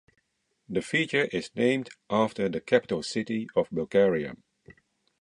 The feature is named after the capital city of Bulgaria.